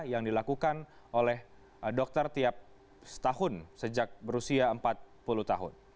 yang dilakukan oleh dokter tiap setahun sejak berusia empat puluh tahun